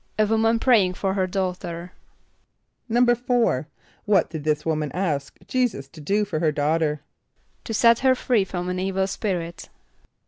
=A woman praying for her daughter.= =4.= What did this woman ask J[=e]´[s+]us to do for her daughter? =To set her free from an evil spirit.